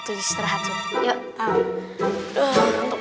itu istirahat yuk untuk macamnya ngantuk